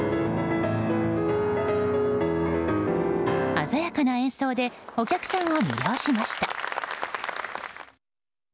鮮やかな演奏でお客さんを魅了しました。